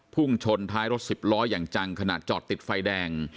พุ่งชนท้ายรถสิบล้ออย่างจังขณะจอดติดไฟแดง